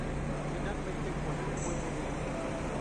Finalmente poner el huevo duro.